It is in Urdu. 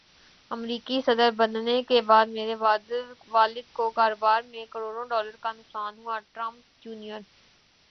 امریکی صدربننے کےبعد میرے والد کوکاروبار میں کروڑوں ڈالر کا نقصان ہوا ٹرمپ جونیئر